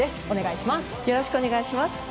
お願いします。